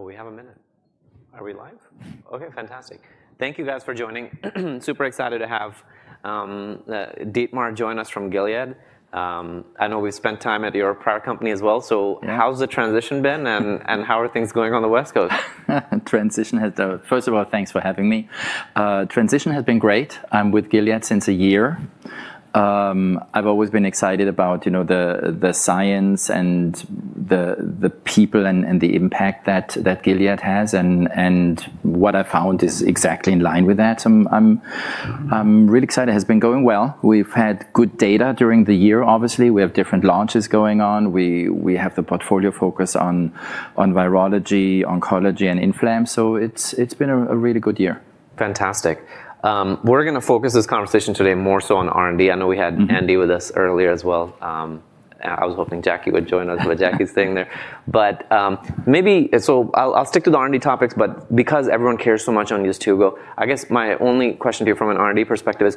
Oh, we have a minute. Are we live? Okay, fantastic. Thank you, guys, for joining. Super excited to have Dietmar join us from Gilead. I know we've spent time at your prior company as well. So how's the transition been, and how are things going on the West Coast? Transition has been. First of all, thanks for having me. Transition has been great. I'm with Gilead since a year. I've always been excited about the science and the people and the impact that Gilead has. And what I found is exactly in line with that. So I'm really excited. It has been going well. We've had good data during the year, obviously. We have different launches going on. We have the portfolio focused on virology, oncology, and inflame. So it's been a really good year. Fantastic. We're going to focus this conversation today more so on R&D. I know we had Andy with us earlier as well. I was hoping Jacquie would join us, but Jacquie's staying there. But maybe, so I'll stick to the R&D topics. But because everyone cares so much on these two, I guess my only question to you from an R&D perspective is,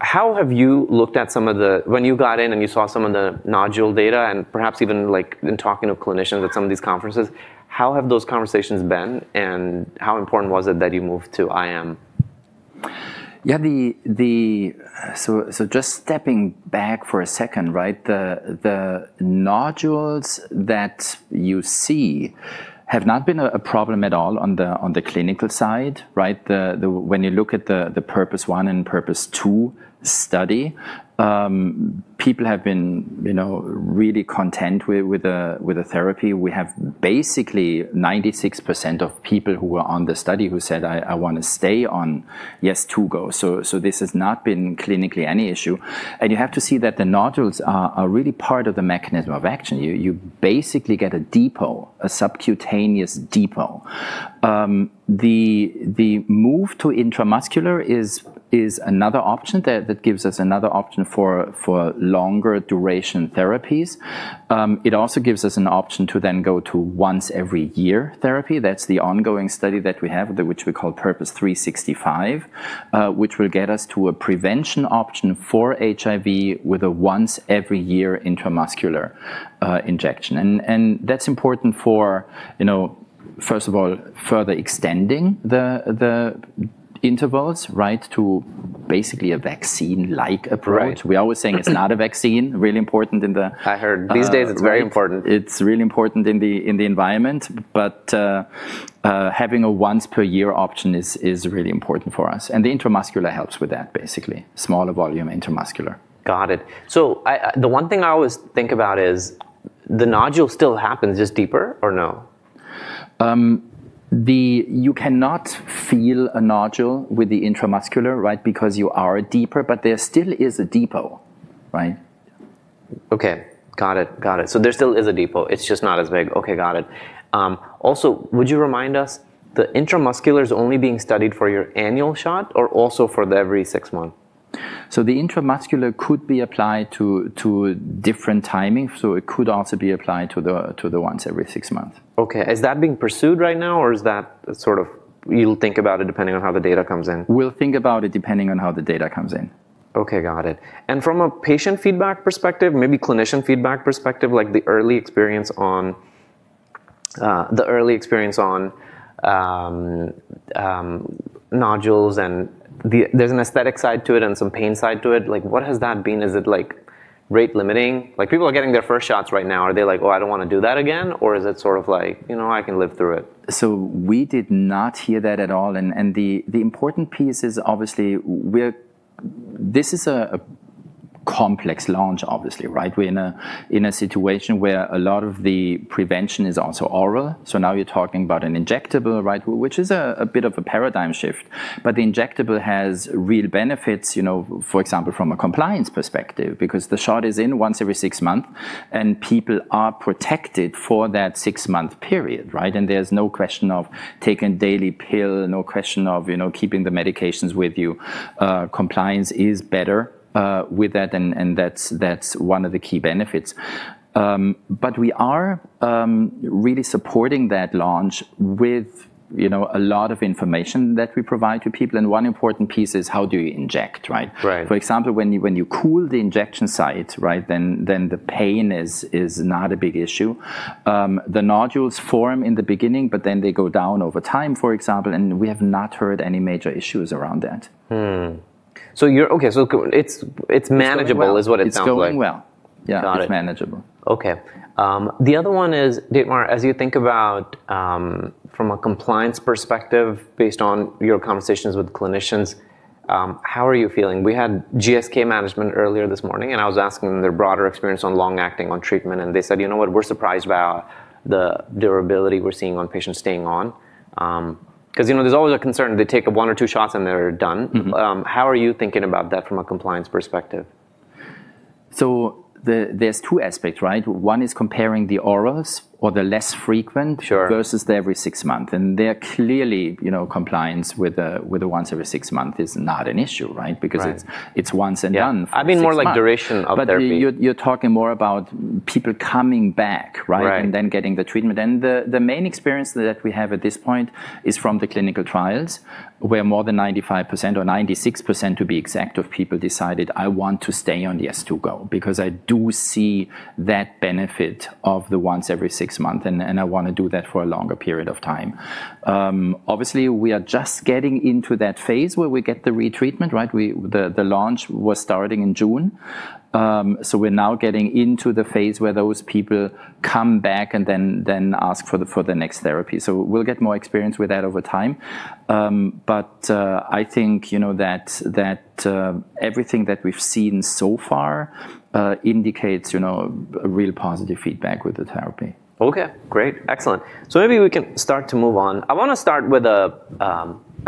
how have you looked at some of the, when you got in and you saw some of the nodule data and perhaps even in talking to clinicians at some of these conferences, how have those conversations been? And how important was it that you moved to IM? Yeah, so just stepping back for a second, right, the nodules that you see have not been a problem at all on the clinical side. When you look at the Purpose 1 and Purpose 2 study, people have been really content with the therapy. We have basically 96% of people who were on the study who said, "I want to stay on, yes, two goes." So this has not been clinically any issue. And you have to see that the nodules are really part of the mechanism of action. You basically get a depot, a subcutaneous depot. The move to intramuscular is another option that gives us another option for longer duration therapies. It also gives us an option to then go to once-every-year therapy. That's the ongoing study that we have, which we call Purpose 365, which will get us to a prevention option for HIV with a once-every-year intramuscular injection. And that's important for, first of all, further extending the intervals to basically a vaccine-like approach. We're always saying it's not a vaccine. Really important in the. I heard these days it's very important. It's really important in the environment. But having a once-per-year option is really important for us. And the intramuscular helps with that, basically. Smaller volume intramuscular. Got it. So the one thing I always think about is, the nodule still happens. It's just deeper, or no? You cannot feel a nodule with the intramuscular because you are deeper, but there still is a depot. Okay, got it. So there still is a depot. It's just not as big. Okay, got it. Also, would you remind us, the intramuscular is only being studied for your annual shot or also for the every six months? So the intramuscular could be applied to different timing. So it could also be applied to the once-every-six-month. Okay. Is that being pursued right now, or is that sort of, you'll think about it depending on how the data comes in? We'll think about it depending on how the data comes in. Okay, got it, and from a patient feedback perspective, maybe clinician feedback perspective, like the early experience on nodules and there's an aesthetic side to it and some pain side to it, what has that been? Is it rate limiting? People are getting their first shots right now. Are they like, "Oh, I don't want to do that again"? Or is it sort of like, "I can live through it"? We did not hear that at all. The important piece is, obviously, this is a complex launch, obviously. We're in a situation where a lot of the prevention is also oral. Now you're talking about an injectable, which is a bit of a paradigm shift. The injectable has real benefits, for example, from a compliance perspective, because the shot is in once every six months, and people are protected for that six-month period. There's no question of taking a daily pill, no question of keeping the medications with you. Compliance is better with that, and that's one of the key benefits. We are really supporting that launch with a lot of information that we provide to people. One important piece is, how do you inject? For example, when you cool the injection site, then the pain is not a big issue. The nodules form in the beginning, but then they go down over time, for example, and we have not heard any major issues around that. Okay. So it's manageable is what it sounds like. It's going well. Yeah, it's manageable. Okay. The other one is, Dietmar, as you think about from a compliance perspective based on your conversations with clinicians, how are you feeling? We had GSK management earlier this morning, and I was asking them their broader experience on long-acting on treatment. And they said, "You know what? We're surprised by the durability we're seeing on patients staying on." Because there's always a concern. They take one or two shots, and they're done. How are you thinking about that from a compliance perspective? So there's two aspects. One is comparing the orals or the less frequent versus the every six months. And they're clearly compliance with the once-every-six-month is not an issue because it's once and done. I mean, more like duration of therapy. But you're talking more about people coming back and then getting the treatment. And the main experience that we have at this point is from the clinical trials, where more than 95% or 96%, to be exact, of people decided, "I want to stay on Sunlenca because I do see that benefit of the once-every-six-month, and I want to do that for a longer period of time." Obviously, we are just getting into that phase where we get the retreatment. The launch was starting in June. So we're now getting into the phase where those people come back and then ask for the next therapy. So we'll get more experience with that over time. But I think that everything that we've seen so far indicates real positive feedback with the therapy. Okay, great. Excellent. So maybe we can start to move on. I want to start with a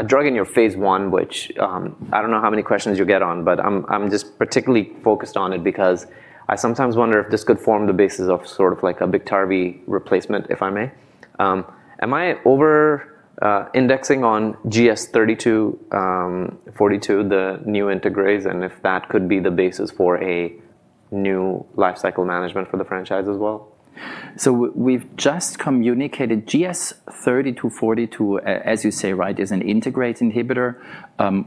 drug in your phase I, which I don't know how many questions you get on, but I'm just particularly focused on it because I sometimes wonder if this could form the basis of sort of like a Biktarvy replacement, if I may. Am I over-indexing on GS-3242, the new integrase, and if that could be the basis for a new lifecycle management for the franchise as well? So we've just communicated GS-3242, as you say, is an integrase inhibitor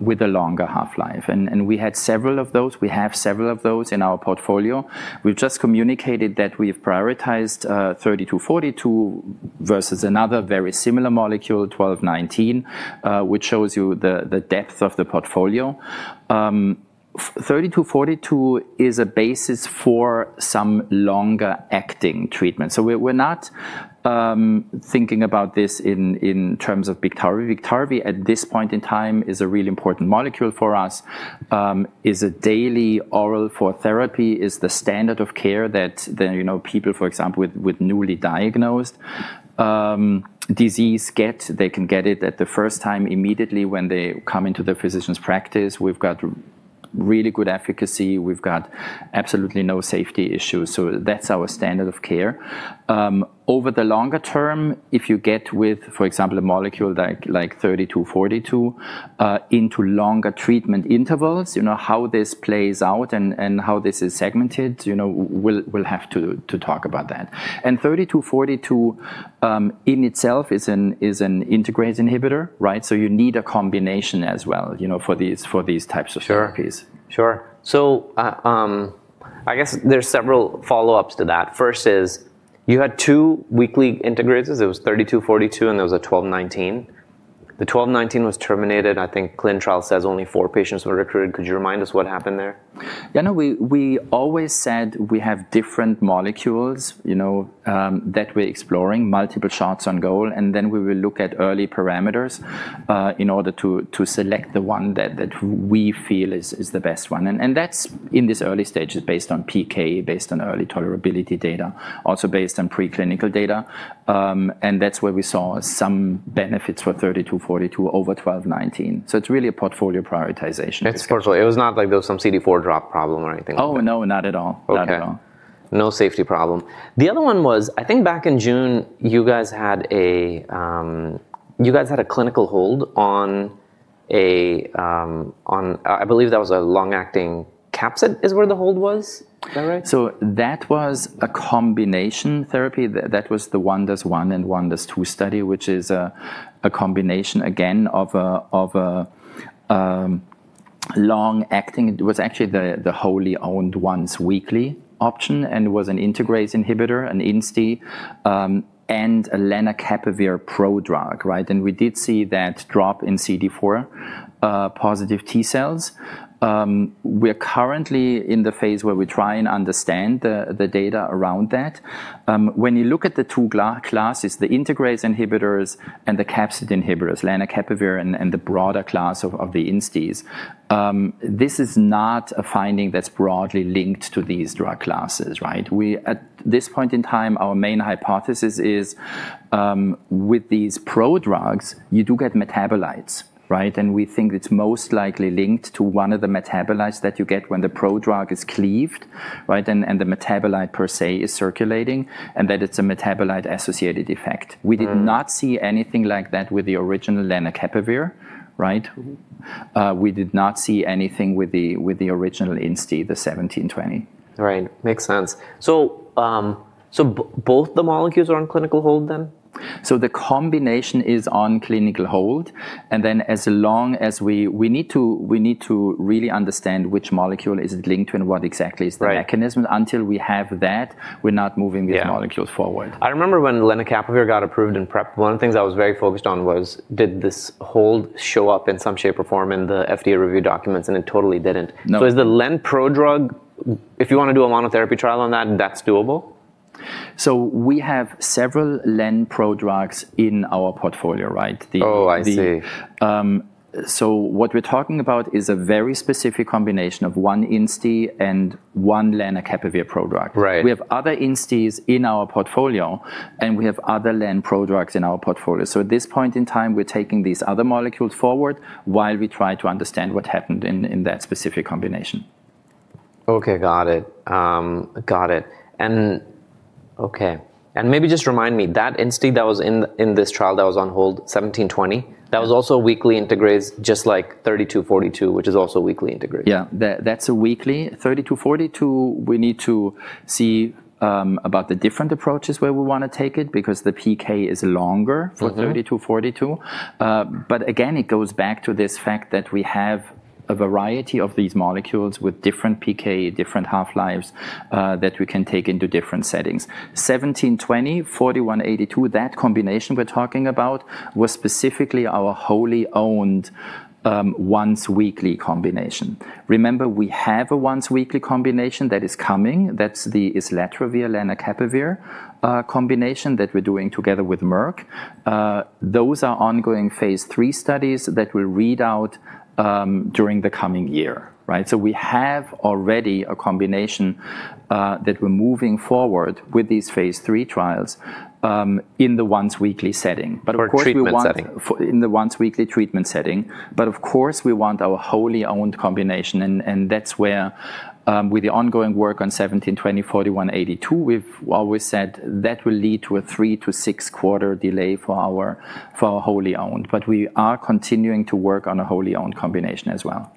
with a longer half-life. And we had several of those. We have several of those in our portfolio. We've just communicated that we've prioritized 3242 versus another very similar molecule, GS-1219, which shows you the depth of the portfolio. GS-3242 is a basis for some longer-acting treatment. So we're not thinking about this in terms of Biktarvy. Biktarvy, at this point in time, is a really important molecule for us. It's a daily oral for therapy. It's the standard of care that people, for example, with newly diagnosed disease get. They can get it at the first time immediately when they come into the physician's practice. We've got really good efficacy. We've got absolutely no safety issues. So that's our standard of care. Over the longer term, if you get with, for example, a molecule like GS-3242 into longer treatment intervals, how this plays out and how this is segmented, we'll have to talk about that. And GS-3242 in itself is an integrase inhibitor. So you need a combination as well for these types of therapies. Sure. So I guess there's several follow-ups to that. First is, you had two weekly integrases. It was GS-3242, and there was a GS-1219. The GS-1219 was terminated. I think the clinical trial says only four patients were recruited. Could you remind us what happened there? Yeah, no, we always said we have different molecules that we're exploring, multiple shots on goal. And then we will look at early parameters in order to select the one that we feel is the best one. And that's in these early stages based on PK, based on early tolerability data, also based on preclinical data. And that's where we saw some benefits for 3242 over 1219. So it's really a portfolio prioritization. It's portfolio. It was not like there was some CD4 drop problem or anything. Oh, no, not at all. Not at all. No safety problem. The other one was, I think back in June, you guys had a clinical hold on a—I believe that was a long-acting capsid is where the hold was. Is that right? That was a combination therapy. That was the Purpose 1 and Purpose 2 study, which is a combination, again, of a long-acting. It was actually the wholly owned once-weekly option. And it was an integrase inhibitor, an INSTI, and a lenacapavir prodrug. And we did see that drop in CD4 positive T cells. We're currently in the phase where we try and understand the data around that. When you look at the two classes, the integrase inhibitors and the capsid inhibitors, lenacapavir and the broader class of the INSTIs, this is not a finding that's broadly linked to these drug classes. At this point in time, our main hypothesis is, with these prodrugs, you do get metabolites. And we think it's most likely linked to one of the metabolites that you get when the prodrug is cleaved and the metabolite per se is circulating and that it's a metabolite-associated effect. We did not see anything like that with the original Lenacapavir. We did not see anything with the original INSTI, the 1720. Right. Makes sense. So both the molecules are on clinical hold then? So the combination is on clinical hold. And then as long as we need to really understand which molecule is it linked to and what exactly is the mechanism, until we have that, we're not moving these molecules forward. I remember when Lenacapavir got approved in PrEP, one of the things I was very focused on was, did this whole show up in some shape or form in the FDA review documents, and it totally didn't, so is the lenacapavir prodrug, if you want to do a monotherapy trial on that, that's doable? We have several lenacapavir prodrugs in our portfolio. Oh, I see. So what we're talking about is a very specific combination of one INSTI and one Lenacapavir prodrug. We have other INSTIs in our portfolio, and we have other Len prodrugs in our portfolio. So at this point in time, we're taking these other molecules forward while we try to understand what happened in that specific combination. Okay, got it. Got it. And okay. And maybe just remind me, that INSTI that was in this trial that was on hold, GS-1720, that was also weekly integrase just like GS-3242, which is also weekly integrase. Yeah, that's a weekly. 3242, we need to see about the different approaches where we want to take it because the PK is longer for 3242. But again, it goes back to this fact that we have a variety of these molecules with different PK, different half-lives that we can take into different settings. 1720, 4182, that combination we're talking about was specifically our wholly owned once-weekly combination. Remember, we have a once-weekly combination that is coming. That's the Islatravir-Lenacapavir combination that we're doing together with Merck. Those are ongoing phase III studies that we'll read out during the coming year. So we have already a combination that we're moving forward with these phase III trials in the once-weekly setting. Or treatment setting. In the once-weekly treatment setting, but of course, we want our wholly owned combination, and that's where with the ongoing work on GS-1720, GS-4182, we've always said that will lead to a three- to six-quarter delay for our wholly owned, but we are continuing to work on a wholly owned combination as well.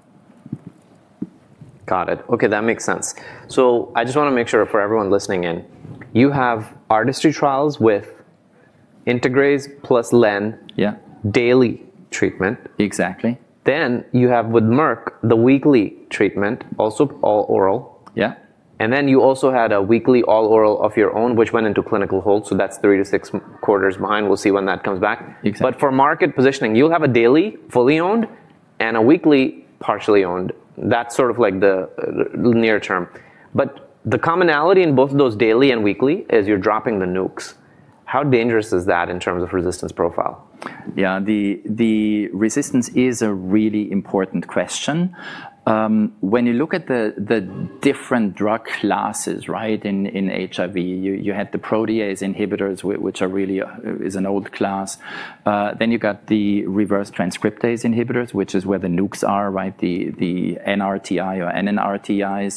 Got it. Okay, that makes sense. So I just want to make sure for everyone listening in, you have Artistry trials with integrase plus lenacapavir daily treatment. Exactly. Then you have with Merck the weekly treatment, also all oral. And then you also had a weekly all oral of your own, which went into clinical hold. So that's three to six quarters behind. We'll see when that comes back. But for market positioning, you'll have a daily fully owned and a weekly partially owned. That's sort of like the near term. But the commonality in both those daily and weekly is you're dropping the nukes. How dangerous is that in terms of resistance profile? Yeah, the resistance is a really important question. When you look at the different drug classes in HIV, you had the protease inhibitors, which is an old class. Then you got the reverse transcriptase inhibitors, which is where the nukes are, the NRTI or NNRTIs.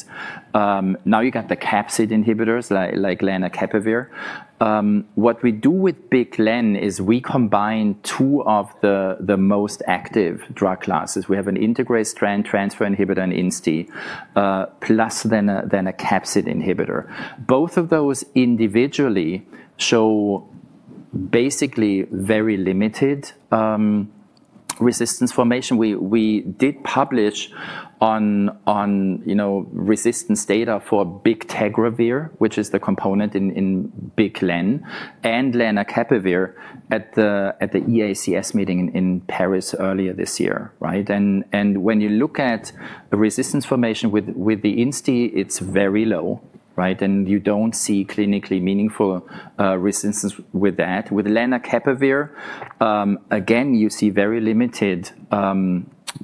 Now you got the capsid inhibitors like Lenacapavir. What we do with BIC-Len is we combine two of the most active drug classes. We have an integrase transfer inhibitor and INSTI plus then a capsid inhibitor. Both of those individually show basically very limited resistance formation. We did publish on resistance data for Bictegravir, which is the component in BIC-Len, and Lenacapavir at the EACS meeting in Paris earlier this year. And when you look at resistance formation with the INSTI, it's very low. And you don't see clinically meaningful resistance with that. With Lenacapavir, again, you see very limited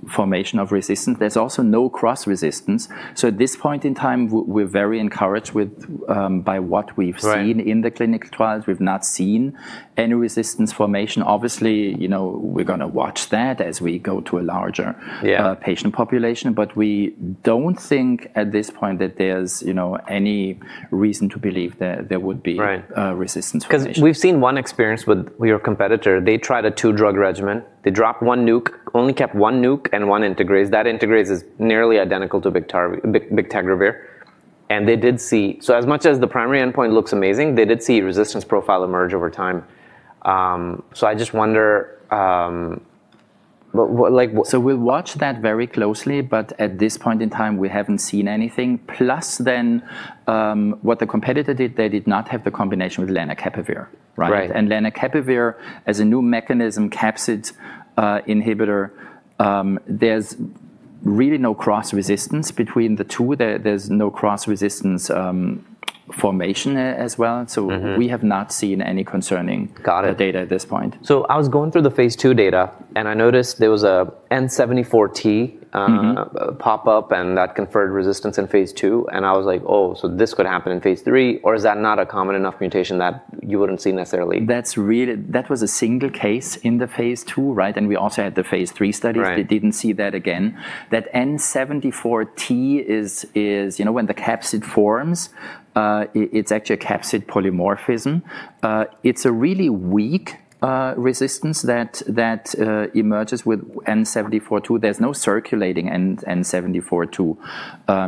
formation of resistance. There's also no cross-resistance. So at this point in time, we're very encouraged by what we've seen in the clinical trials. We've not seen any resistance formation. Obviously, we're going to watch that as we go to a larger patient population. But we don't think at this point that there's any reason to believe that there would be resistance. Because we've seen one experience with your competitor. They tried a two-drug regimen. They dropped one nuke, only kept one nuke and one integrase. That integrase is nearly identical to bictegravir, and they did see, so as much as the primary endpoint looks amazing, they did see resistance profile emerge over time, so I just wonder. So we'll watch that very closely. But at this point in time, we haven't seen anything. Plus then what the competitor did, they did not have the combination with Lenacapavir. And Lenacapavir as a new mechanism capsid inhibitor, there's really no cross-resistance between the two. There's no cross-resistance formation as well. So we have not seen any concerning data at this point. Got it. So I was going through the phase II data, and I noticed there was an N74T pop-up, and that conferred resistance in phase II. And I was like, oh, so this could happen in phase III, or is that not a common enough mutation that you wouldn't see necessarily? That was a single case in the phase II, and we also had the phase III studies. We didn't see that again. That N74T is when the capsid forms; it's actually a capsid polymorphism. It's a really weak resistance that emerges with N74T. There's no circulating N74T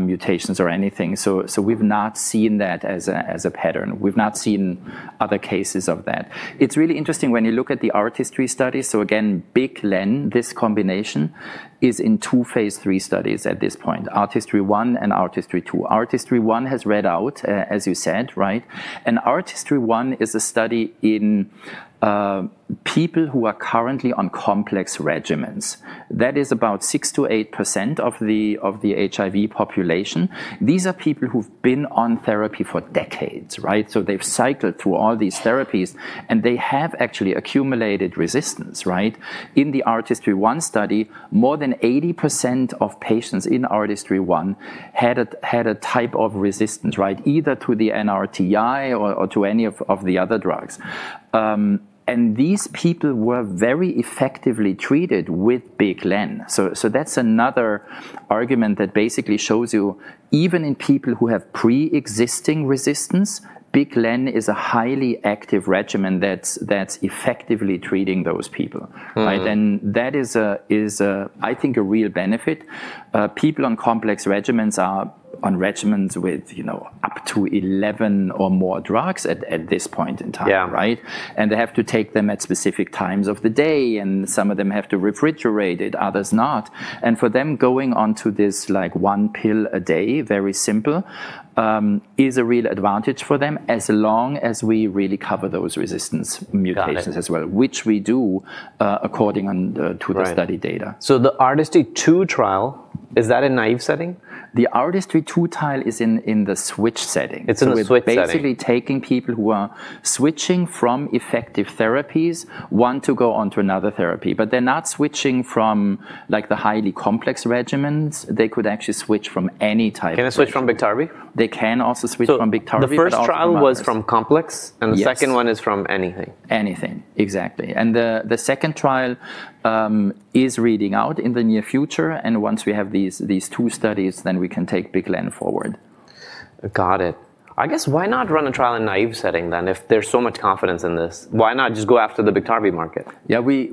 mutations or anything, so we've not seen that as a pattern. We've not seen other cases of that. It's really interesting when you look at the Artistry studies, so again, BIC-Len, this combination is in two phase III studies at this point, Artistry one and Artistry two. Artistry one has read out, as you said, and Artistry one is a study in people who are currently on complex regimens. That is about 6%-8% of the HIV population. These are people who've been on therapy for decades, so they've cycled through all these therapies, and they have actually accumulated resistance. In the Artistry-1 study, more than 80% of patients in Artistry-1 had a type of resistance either to the NRTI or to any of the other drugs, and these people were very effectively treated with BIC-Len, so that's another argument that basically shows you, even in people who have pre-existing resistance, BIC-Len is a highly active regimen that's effectively treating those people, and that is, I think, a real benefit. People on complex regimens are on regimens with up to 11 or more drugs at this point in time, and they have to take them at specific times of the day, and some of them have to refrigerate it, others not. And for them, going on to this one pill a day, very simple, is a real advantage for them as long as we really cover those resistance mutations as well, which we do according to the study data. So the Artistry-2 trial, is that a naive setting? The Artistry-2 trial is in the switch setting. It's in the switch setting. It's basically taking people who are switching from effective therapies, want to go on to another therapy. But they're not switching from the highly complex regimens. They could actually switch from any type of therapy. Can they switch from Biktarvy? They can also switch from Biktarvy. The first trial was from complex, and the second one is from anything. Anything. Exactly. And the second trial is reading out in the near future. And once we have these two studies, then we can take BIC-Len forward. Got it. I guess why not run a trial in naive setting then? If there's so much confidence in this, why not just go after the Biktarvy market? Yeah, we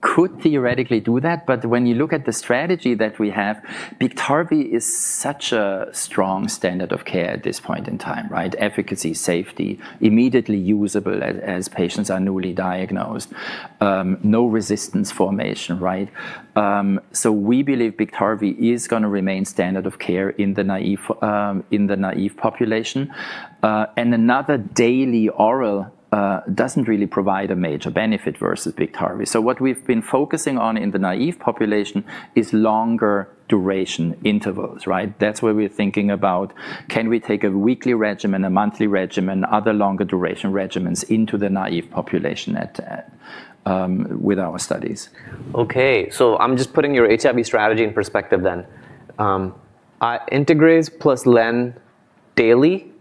could theoretically do that. But when you look at the strategy that we have, Biktarvy is such a strong standard of care at this point in time. Efficacy, safety, immediately usable as patients are newly diagnosed, no resistance formation. So we believe Biktarvy is going to remain standard of care in the naive population. And another daily oral doesn't really provide a major benefit versus Biktarvy. So what we've been focusing on in the naive population is longer duration intervals. That's where we're thinking about, can we take a weekly regimen, a monthly regimen, other longer duration regimens into the naive population with our studies? Okay, so I'm just putting your HIV strategy in perspective then. Integrase plus lenacapavir daily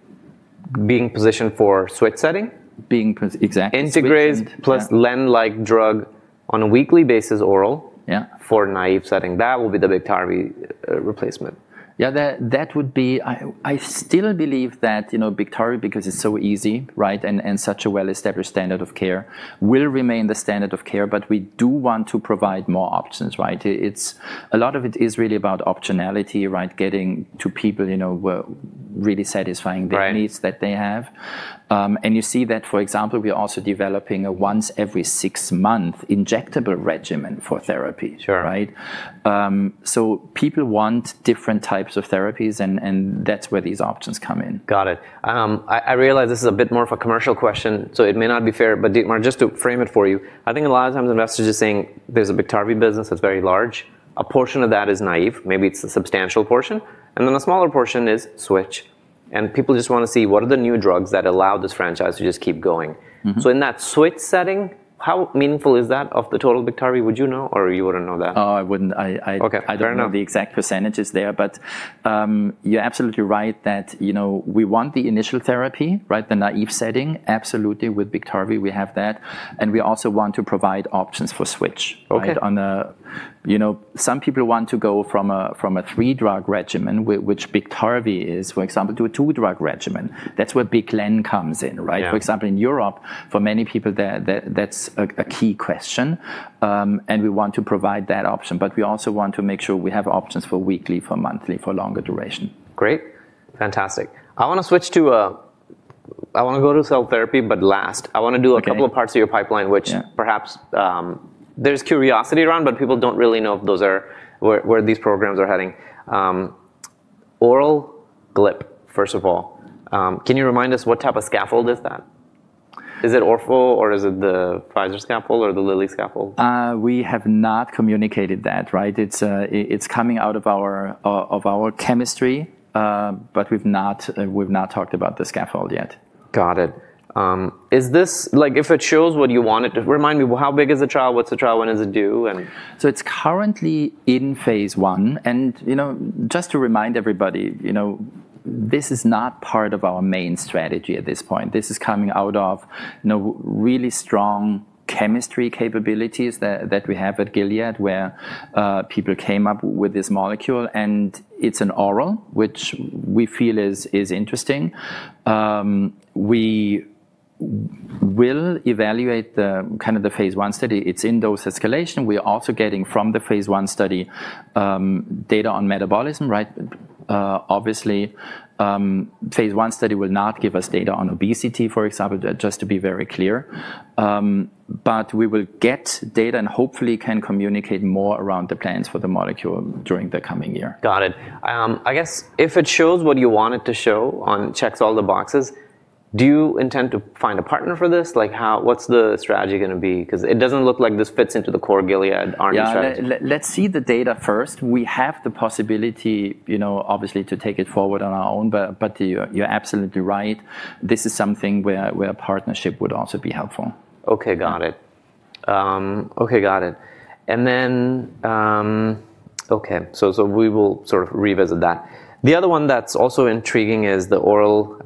being positioned for switch setting. Being positioned. Integrase plus Len-like drug on a weekly basis oral for naive setting. That will be the Biktarvy replacement. Yeah, that would be. I still believe that Biktarvy, because it's so easy and such a well-established standard of care, will remain the standard of care, but we do want to provide more options. A lot of it is really about optionality, getting to people really satisfying their needs that they have, and you see that, for example, we're also developing a once-every-six-month injectable regimen for therapy, so people want different types of therapies, and that's where these options come in. Got it. I realize this is a bit more of a commercial question, so it may not be fair. But just to frame it for you, I think a lot of times investors are saying there's a Biktarvy business that's very large. A portion of that is naive. Maybe it's a substantial portion. And then a smaller portion is switch. And people just want to see what are the new drugs that allow this franchise to just keep going. So in that switch setting, how meaningful is that of the total Biktarvy? Would you know or you wouldn't know that? Oh, I don't know the exact percentages there. But you're absolutely right that we want the initial therapy, the naive setting. Absolutely, with Biktarvy, we have that. And we also want to provide options for switch. Some people want to go from a three-drug regimen, which Biktarvy is, for example, to a two-drug regimen. That's where BIC-Len comes in. For example, in Europe, for many people, that's a key question. And we want to provide that option. But we also want to make sure we have options for weekly, for monthly, for longer duration. Great. Fantastic. I want to go to cell therapy, but last. I want to do a couple of parts of your pipeline, which perhaps there's curiosity around, but people don't really know where these programs are heading. Oral GLP-1, first of all. Can you remind us what type of scaffold is that? Is it Orforglipron, or is it the Pfizer scaffold or the Lilly scaffold? We have not communicated that. It's coming out of our chemistry, but we've not talked about the scaffold yet. Got it. If it shows what you want it to remind me, how big is the trial? What's the trial? When is it due? It's currently in phase I. And just to remind everybody, this is not part of our main strategy at this point. This is coming out of really strong chemistry capabilities that we have at Gilead, where people came up with this molecule. And it's an oral, which we feel is interesting. We will evaluate kind of the phase I study. It's in dose escalation. We are also getting from the phase I study data on metabolism. Obviously, phase I study will not give us data on obesity, for example, just to be very clear. But we will get data and hopefully can communicate more around the plans for the molecule during the coming year. Got it. I guess if it shows what you want it to show and checks all the boxes, do you intend to find a partner for this? What's the strategy going to be? Because it doesn't look like this fits into the core Gilead R&D strategy. Yeah, let's see the data first. We have the possibility, obviously, to take it forward on our own. But you're absolutely right. This is something where a partnership would also be helpful. Okay, got it. Okay, got it. And then, okay, so we will sort of revisit that. The other one that's also intriguing is the oral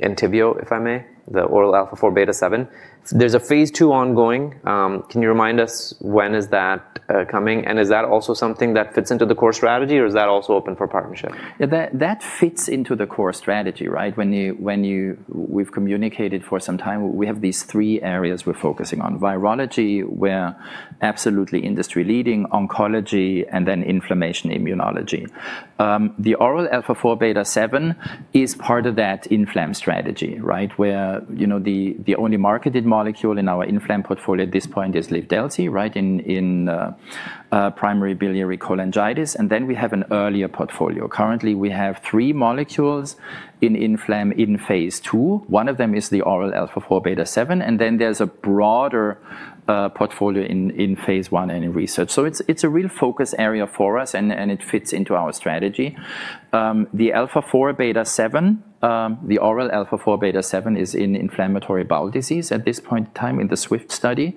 Entyvio, if I may, the oral alpha-4 beta-7. There's a phase II ongoing. Can you remind us when is that coming? And is that also something that fits into the core strategy, or is that also open for partnership? Yeah, that fits into the core strategy. We've communicated for some time. We have these three areas we're focusing on: virology, where absolutely industry-leading, oncology, and then inflammation immunology. The oral alpha-4 beta-7 is part of that inflamm strategy, where the only marketed molecule in our inflamm portfolio at this point is Livdelzi in primary biliary cholangitis. And then we have an earlier portfolio. Currently, we have three molecules in inflamm in phase II. One of them is the oral alpha-4 beta-7. And then there's a broader portfolio in phase I and in research. So it's a real focus area for us, and it fits into our strategy. The alpha-4 beta-7, the oral alpha-4 beta-7 is in inflammatory bowel disease at this point in time in the Swift study.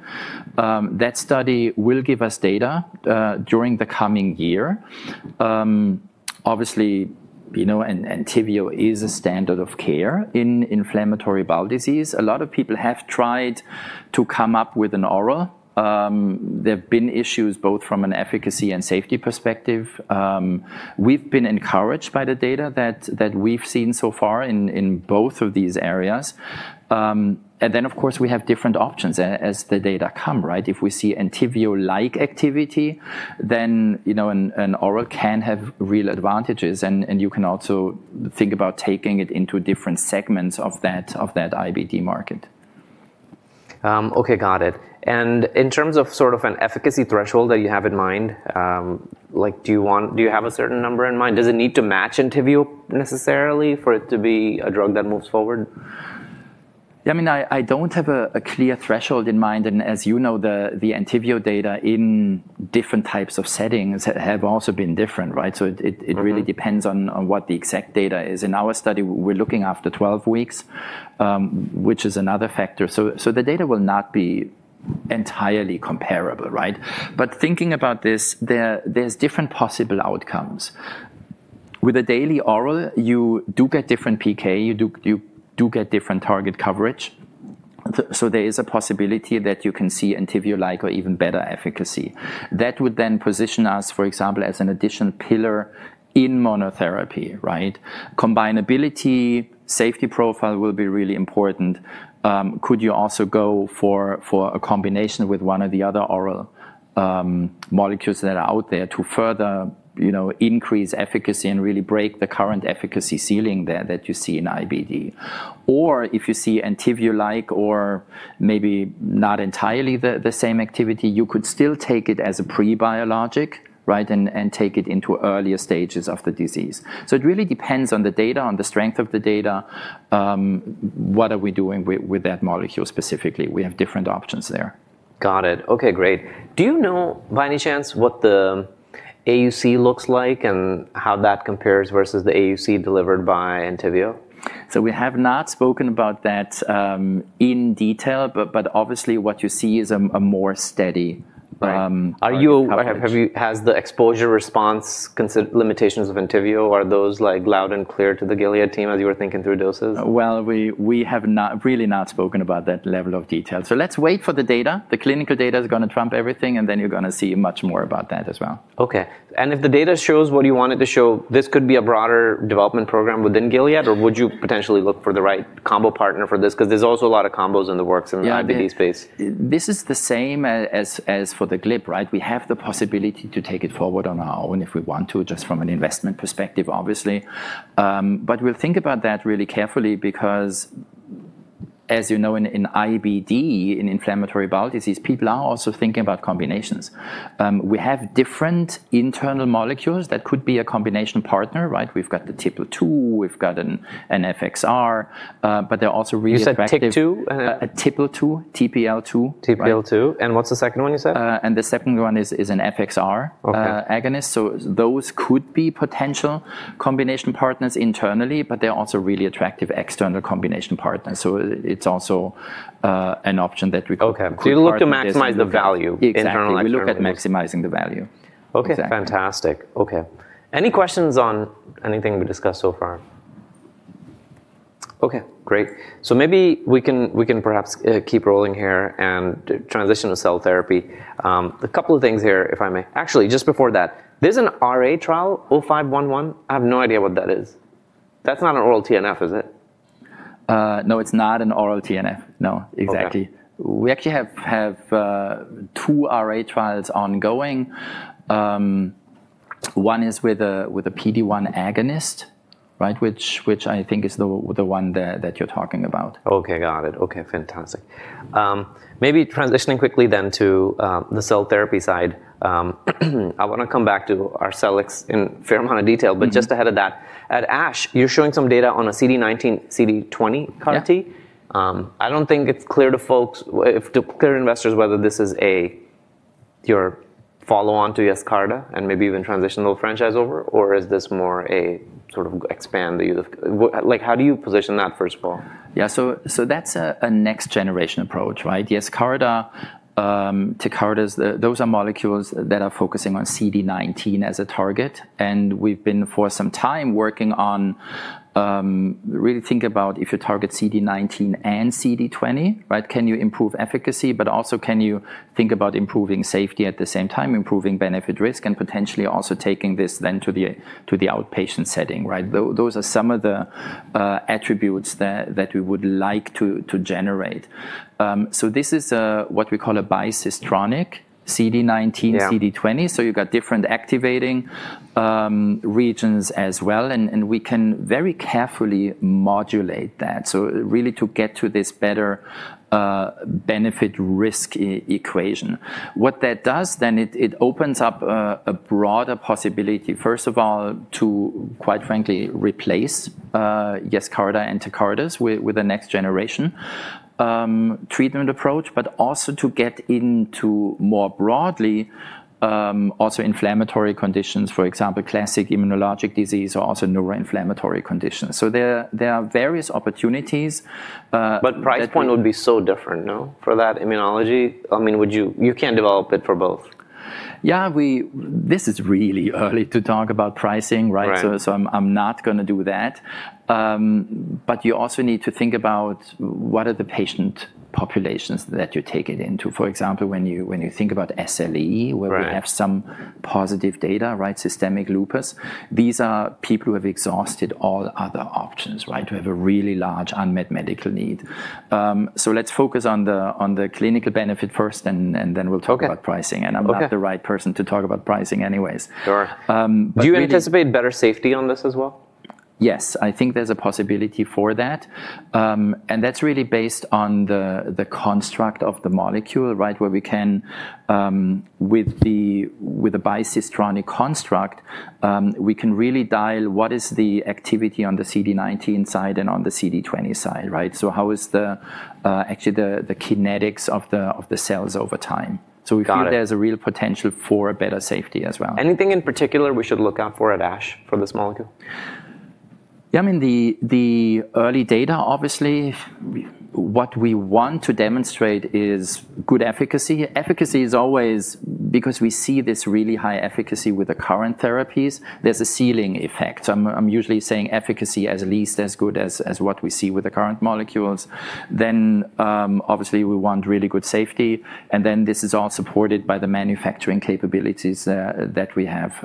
That study will give us data during the coming year. Obviously, Entyvio is a standard of care in inflammatory bowel disease. A lot of people have tried to come up with an oral. There have been issues both from an efficacy and safety perspective. We've been encouraged by the data that we've seen so far in both of these areas. And then, of course, we have different options as the data come. If we see Entyvio-like activity, then an oral can have real advantages. And you can also think about taking it into different segments of that IBD market. Okay, got it, and in terms of sort of an efficacy threshold that you have in mind, do you have a certain number in mind? Does it need to match Entyvio necessarily for it to be a drug that moves forward? Yeah, I mean, I don't have a clear threshold in mind. And as you know, the Entyvio data in different types of settings have also been different. So it really depends on what the exact data is. In our study, we're looking after 12 weeks, which is another factor. So the data will not be entirely comparable. But thinking about this, there's different possible outcomes. With a daily oral, you do get different PK. You do get different target coverage. So there is a possibility that you can see Entyvio-like or even better efficacy. That would then position us, for example, as an additional pillar in monotherapy. Combinability, safety profile will be really important. Could you also go for a combination with one or the other oral molecules that are out there to further increase efficacy and really break the current efficacy ceiling there that you see in IBD? Or if you see Entyvio-like or maybe not entirely the same activity, you could still take it as a pre-biologic and take it into earlier stages of the disease. So it really depends on the data, on the strength of the data, what are we doing with that molecule specifically? We have different options there. Got it. Okay, great. Do you know, by any chance, what the AUC looks like and how that compares versus the AUC delivered by Entyvio? We have not spoken about that in detail. Obviously, what you see is a more steady coverage. Has the exposure response limitations of Entyvio? Are those loud and clear to the Gilead team as you were thinking through doses? We have really not spoken about that level of detail. Let's wait for the data. The clinical data is going to trump everything, and then you're going to see much more about that as well. Okay. If the data shows what you want it to show, this could be a broader development program within Gilead, or would you potentially look for the right combo partner for this? Because there's also a lot of combos in the works in the IBD space. This is the same as for the GLP. We have the possibility to take it forward on our own if we want to, just from an investment perspective, obviously. But we'll think about that really carefully because, as you know, in IBD, in inflammatory bowel disease, people are also thinking about combinations. We have different internal molecules that could be a combination partner. We've got the TPL2. We've got an FXR. But they're also really attractive. You said TPL2? TIPL2, TPL2. TPL2, and what's the second one, you said? And the second one is an FXR agonist. So those could be potential combination partners internally, but they're also really attractive external combination partners. So it's also an option that we could consider. Okay, so you look to maximize the value internally. Exactly. We look at maximizing the value. Okay, fantastic. Okay. Any questions on anything we discussed so far? Okay, great. So maybe we can perhaps keep rolling here and transition to cell therapy. A couple of things here, if I may. Actually, just before that, there's an RA trial, 0511. I have no idea what that is. That's not an oral TNF, is it? No, it's not an oral TNF. No, exactly. We actually have two RA trials ongoing. One is with a PD-1 agonist, which I think is the one that you're talking about. Okay, got it. Okay, fantastic. Maybe transitioning quickly then to the cell therapy side. I want to come back to Arcelix in a fair amount of detail. But just ahead of that, at ASH, you're showing some data on a CD19, CD20 CAR-T. I don't think it's clear to folks, clear to investors, whether this is your follow-on to Yescarta and maybe even transition the whole franchise over, or is this more a sort of expand the use of how do you position that, first of all? Yeah, so that's a next-generation approach. Yescarta, Tecartus, those are molecules that are focusing on CD19 as a target. And we've been for some time working on really thinking about if you target CD19 and CD20, can you improve efficacy, but also can you think about improving safety at the same time, improving benefit-risk, and potentially also taking this then to the outpatient setting. Those are some of the attributes that we would like to generate. So this is what we call a bicistronic CD19, CD20. So you've got different activating regions as well. And we can very carefully modulate that, so really to get to this better benefit-risk equation. What that does then, it opens up a broader possibility, first of all, to, quite frankly, replace Yescarta and Tecartus with a next-generation treatment approach, but also to get into more broadly also inflammatory conditions, for example, classic immunologic disease or also neuroinflammatory conditions. So there are various opportunities. but price point would be so different for that immunology. I mean, you can't develop it for both. Yeah, this is really early to talk about pricing. So I'm not going to do that. But you also need to think about what are the patient populations that you're taking into. For example, when you think about SLE, where we have some positive data, systemic lupus, these are people who have exhausted all other options to have a really large unmet medical need. So let's focus on the clinical benefit first, and then we'll talk about pricing. And I'm not the right person to talk about pricing anyways. Sure. Do you anticipate better safety on this as well? Yes, I think there's a possibility for that, and that's really based on the construct of the molecule, where we can, with the bicistronic construct, we can really dial what is the activity on the CD19 side and on the CD20 side. So how is actually the kinetics of the cells over time? So we feel there's a real potential for better safety as well. Anything in particular we should look out for at ASH for this molecule? Yeah, I mean, the early data, obviously, what we want to demonstrate is good efficacy. Efficacy is always, because we see this really high efficacy with the current therapies, there's a ceiling effect. So I'm usually saying efficacy at least as good as what we see with the current molecules. Then, obviously, we want really good safety. And then this is all supported by the manufacturing capabilities that we have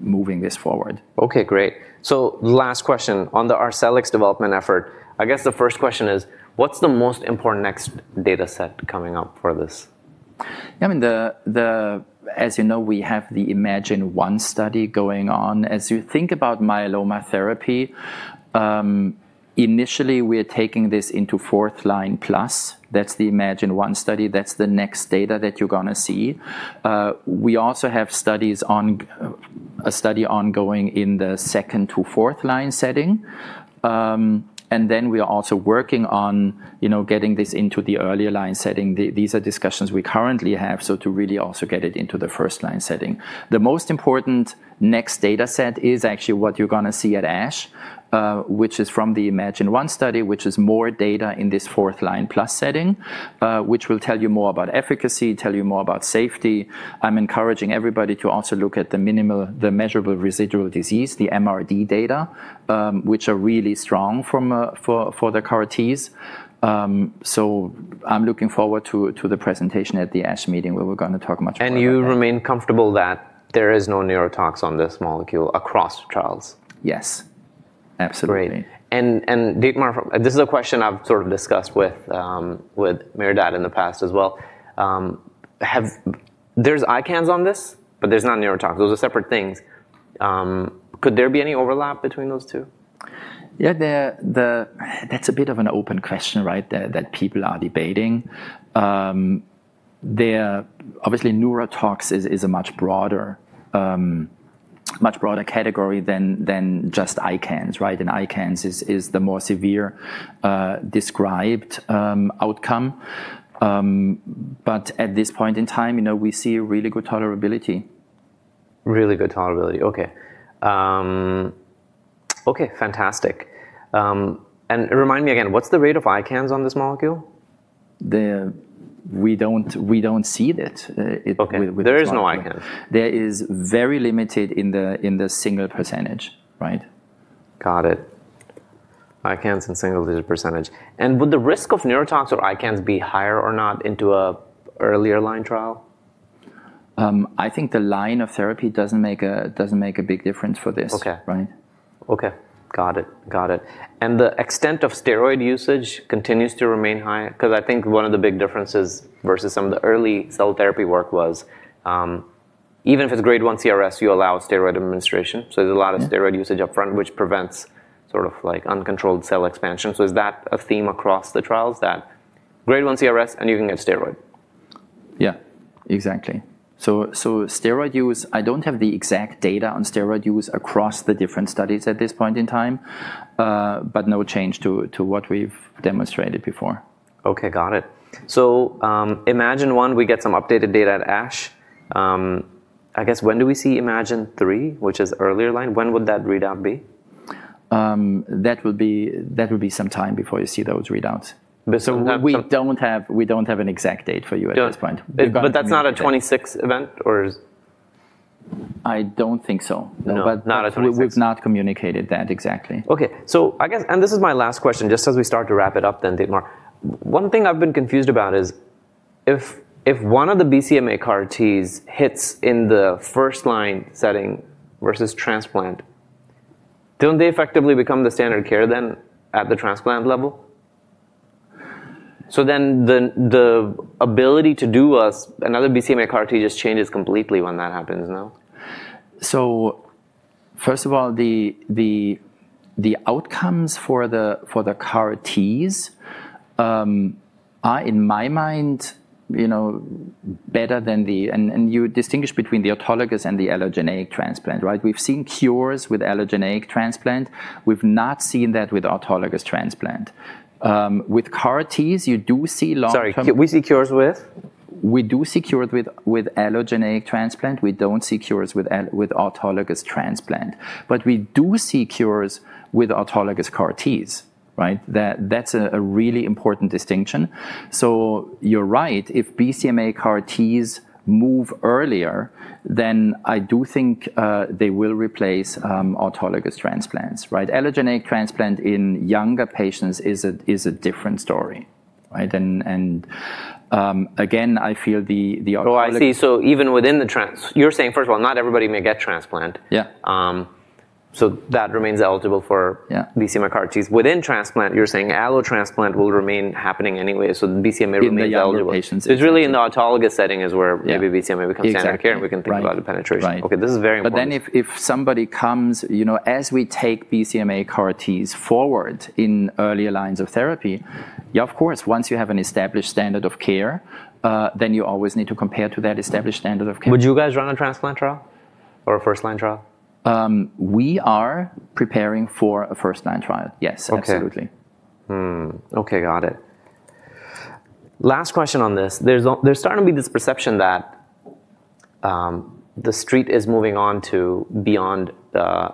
moving this forward. Okay, great. So last question on the Arcelix development effort. I guess the first question is, what's the most important next data set coming up for this? Yeah, I mean, as you know, we have the Imagine-1 study going on. As you think about myeloma therapy, initially, we are taking this into fourth line plus. That's the Imagine-1 study. That's the next data that you're going to see. We also have a study ongoing in the second to fourth line setting. And then we are also working on getting this into the earlier line setting. These are discussions we currently have, so to really also get it into the first line setting. The most important next data set is actually what you're going to see at ASH, which is from the Imagine-1 study, which is more data in this fourth line plus setting, which will tell you more about efficacy, tell you more about safety. I'm encouraging everybody to also look at the minimal, the measurable residual disease, the MRD data, which are really strong for the CAR-Ts. So I'm looking forward to the presentation at the ASH meeting where we're going to talk much more about that. And you remain comfortable that there is no neurotox on this molecule across trials? Yes, absolutely. Great. And this is a question I've sort of discussed with Merdad in the past as well. There's ICANS on this, but there's not neurotox. Those are separate things. Could there be any overlap between those two? Yeah, that's a bit of an open question that people are debating. Obviously, neurotoxicity is a much broader category than just ICANS. And ICANS is the more severe described outcome. But at this point in time, we see really good tolerability. Really good tolerability. Okay. Okay, fantastic, and remind me again, what's the rate of ICANS on this molecule? We don't see it. Okay. There is no ICANS. There is very limited in the single percentage. Got it. ICANS and single-digit %. And would the risk of neurotox or ICANS be higher or not in an earlier line trial? I think the line of therapy doesn't make a big difference for this. Okay, got it. And the extent of steroid usage continues to remain high? Because I think one of the big differences versus some of the early cell therapy work was, even if it's grade 1 CRS, you allow steroid administration. So there's a lot of steroid usage upfront, which prevents sort of uncontrolled cell expansion. So is that a theme across the trials that grade 1 CRS and you can get steroid? Yeah, exactly. So steroid use, I don't have the exact data on steroid use across the different studies at this point in time, but no change to what we've demonstrated before. Okay, got it. So Imagine-1, we get some updated data at ASH. I guess when do we see Imagine-3, which is earlier line? When would that readout be? That would be some time before you see those readouts. So we don't have an exact date for you at this point. But that's not a '26 event, or is? I don't think so. No, not a 2026. We've not communicated that exactly. Okay, and this is my last question, just as we start to wrap it up then, Dietmar. One thing I've been confused about is if one of the BCMA CAR-Ts hits in the first line setting versus transplant, don't they effectively become the standard care then at the transplant level, so then the ability to do another BCMA CAR-T just changes completely when that happens, no? So first of all, the outcomes for the CAR-Ts are, in my mind, better than the, and you distinguish between the autologous and the allogeneic transplant. We've seen cures with allogeneic transplant. We've not seen that with autologous transplant. With CAR-Ts, you do see long-term. Sorry, we see cures with? We do see cures with allogeneic transplant. We don't see cures with autologous transplant. But we do see cures with autologous CAR-Ts. That's a really important distinction. So you're right. If BCMA CAR-Ts move earlier, then I do think they will replace autologous transplants. Allogeneic transplant in younger patients is a different story, and again, I feel the. Oh, I see. So even within the transplant, you're saying, first of all, not everybody may get transplant. Yeah. So that remains eligible for BCMA CAR-Ts. Within transplant, you're saying allotransplant will remain happening anyway, so the BCMA remains eligible. The younger patients. It's really in the autologous setting is where maybe BCMA becomes standard care, and we can think about the penetration. Okay, this is very important. But then, if somebody comes, as we take BCMA CAR-Ts forward in earlier lines of therapy, yeah, of course, once you have an established standard of care, then you always need to compare to that established standard of care. Would you guys run a transplant trial or a first line trial? We are preparing for a first line trial. Yes, absolutely. Okay, got it. Last question on this. There's starting to be this perception that the street is moving on to beyond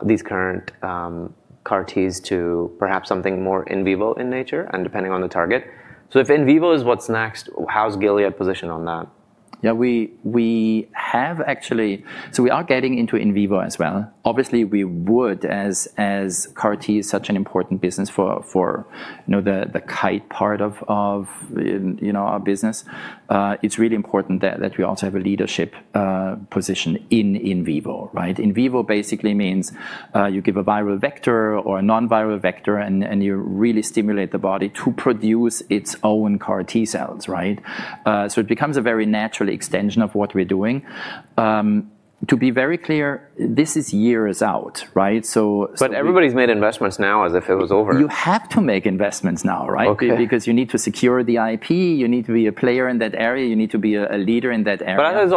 these current CAR-Ts to perhaps something more in vivo in nature and depending on the target. So if in vivo is what's next, how's Gilead positioned on that? Yeah, we have actually, so we are getting into in vivo as well. Obviously, we would, as CAR-T is such an important business for the Kite part of our business, it's really important that we also have a leadership position in in vivo. In vivo basically means you give a viral vector or a non-viral vector, and you really stimulate the body to produce its own CAR-T cells. So it becomes a very natural extension of what we're doing. To be very clear, this is years out. But everybody's made investments now as if it was over. You have to make investments now, right? Because you need to secure the IP. You need to be a player in that area. You need to be a leader in that area. But I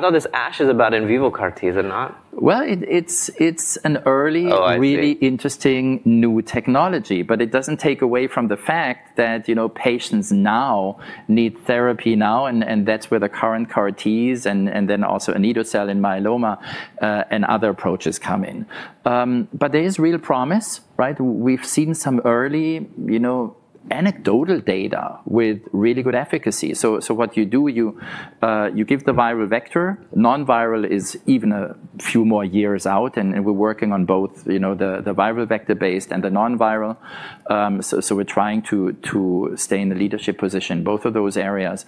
thought this ASH is about in vivo CAR-Ts, and not. It's an early, really interesting new technology. But it doesn't take away from the fact that patients need therapy now, and that's where the current CAR-Ts and then also anito-cel in myeloma and other approaches come in. But there is real promise. We've seen some early anecdotal data with really good efficacy. So what you do, you give the viral vector. Non-viral is even a few more years out, and we're working on both the viral vector-based and the non-viral. So we're trying to stay in the leadership position, both of those areas.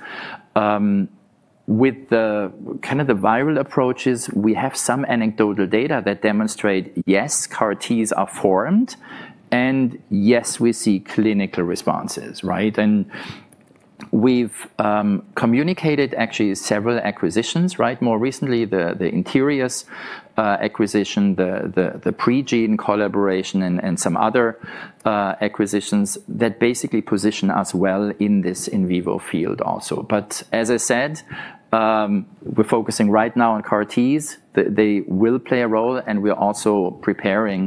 With kind of the viral approaches, we have some anecdotal data that demonstrate, yes, CAR-Ts are formed, and yes, we see clinical responses. And we've communicated actually several acquisitions, more recently, the Interius acquisition, the PreGene collaboration, and some other acquisitions that basically position us well in this in vivo field also. But as I said, we're focusing right now on CAR-Ts. They will play a role, and we're also preparing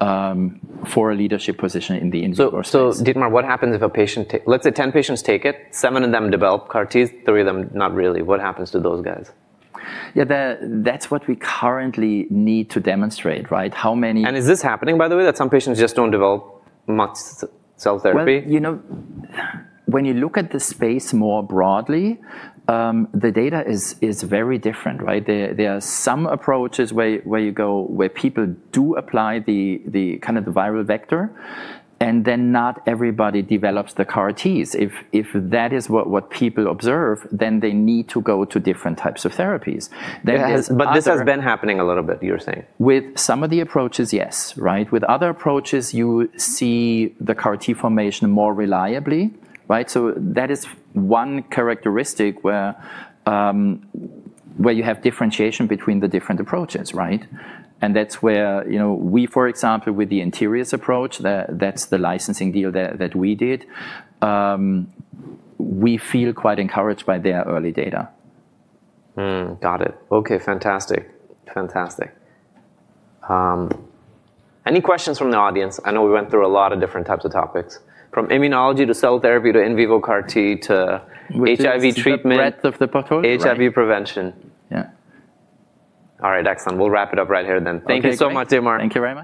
for a leadership position in the in vivo space. So Dietmar, what happens if a patient takes it, let's say 10 patients take it, seven of them develop CAR-Ts, three of them not really. What happens to those guys? Yeah, that's what we currently need to demonstrate. How many? Is this happening, by the way, that some patients just don't develop much cell therapy? When you look at the space more broadly, the data is very different. There are some approaches where people do apply the kind of viral vector, and then not everybody develops the CAR-Ts. If that is what people observe, then they need to go to different types of therapies. But this has been happening a little bit, you're saying? With some of the approaches, yes. With other approaches, you see the CAR-T formation more reliably. So that is one characteristic where you have differentiation between the different approaches. And that's where we, for example, with the Interius approach, that's the licensing deal that we did, we feel quite encouraged by their early data. Got it. Okay, fantastic. Fantastic. Any questions from the audience? I know we went through a lot of different types of topics, from immunology to cell therapy to in vivo CAR-T to HIV treatment. Which is the breadth of the portfolio? HIV prevention. Yeah. All right, excellent. We'll wrap it up right here then. Thank you so much, Dietmar. Thank you.